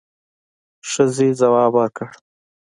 ښځې ځواب ورکړ.